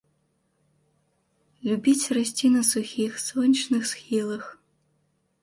Любіць расці на сухіх, сонечных схілах.